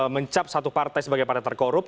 mencap satu partai sebagai partai terkorup